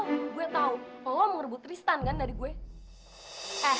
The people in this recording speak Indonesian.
saya tahu kamu mau ngerebut tristan dari saya kan